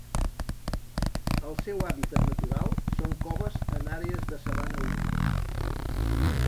El seu hàbitat natural són coves en àrees de sabana humida.